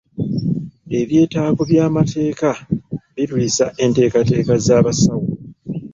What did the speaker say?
Ebyetaago by'amateeka birwisa enteekateeka z'abasawo.